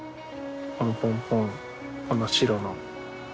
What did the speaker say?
このポンポンこの白の。